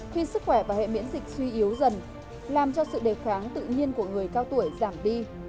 khi sức khỏe và hệ miễn dịch suy yếu dần làm cho sự đề kháng tự nhiên của người cao tuổi giảm đi